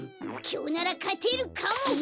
きょうならかてるかも！